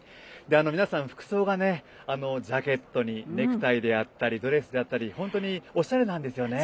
皆さん、服装がジャケットにネクタイであったりドレスであったり本当におしゃれなんですよね。